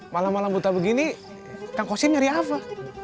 malam malam buta begini kang kosin nyari apa